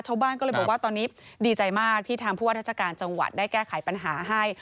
ชาวบ้านก็เลยบอกว่าตอนนี้ดีใจมากที่ทางผู้ว่าราชการจังหวัดได้แก้ไขปัญหาให้